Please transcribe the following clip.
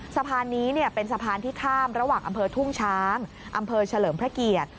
สะพานนี้เป็นสะพานที่ข้ามระหว่างอำเภอทุ่งช้างอำเภอเฉลิมพระเกียรติ